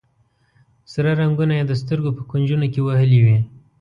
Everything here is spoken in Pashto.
سره رنګونه یې د سترګو په کونجونو کې وهلي وي.